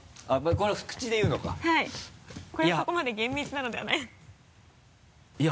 これはそこまで厳密なのではないいや